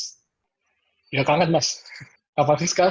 apalagi sekarang benar benar dia gak bisa keluar